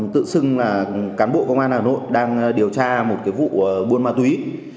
tự xưng là cán bộ công an hà nội đang điều tra một cái vụ buôn ma túy